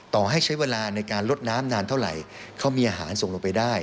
ต่อให้ใช้เวลาในการลดน้ำนานเท่าไหร่เขามีอาหารส่งลงไปได้